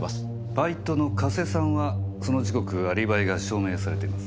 バイトの加瀬さんはその時刻アリバイが証明されています。